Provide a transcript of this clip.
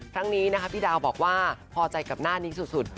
ครั้งนี้นะคะพี่ดาวบอกว่าพอใจกับหน้านี้สุด